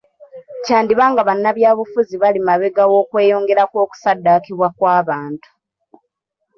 Kyandiba nga bannabyabufuzi bali mabega w'okweyongera kw'okusaddakibwa kw'abantu.